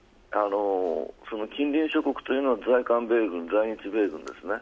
近隣諸国は在韓米軍在日米軍ですね。